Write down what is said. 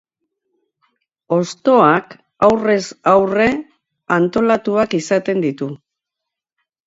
Hostoak aurrez aurre antolatuak izaten ditu.